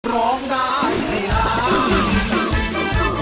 ร้องได้ให้ล้าน